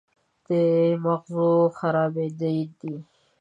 د مغزو خرابېده دي